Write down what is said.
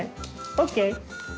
ＯＫ。